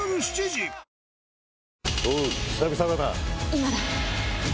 今だ！